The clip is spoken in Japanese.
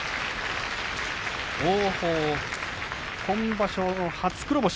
王鵬、今場所の初黒星。